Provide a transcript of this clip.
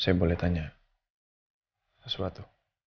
saya boleh tanya sesuatu